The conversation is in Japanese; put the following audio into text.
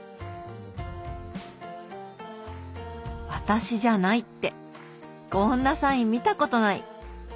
「私じゃない」ってこんなサイン見たことない。